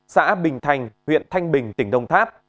xã bình thành huyện thanh bình tỉnh đồng tháp